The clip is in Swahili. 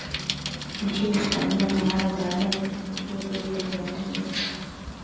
nchi uspania na mara baada kushudia real de maldrid